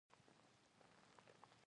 د مراجعینو د پيسو د ویش پروسه منظمه ده.